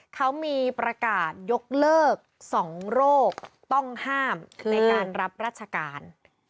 เขามีประกาศยกเลิก๒โรคต้องห้ามในการรับราชการ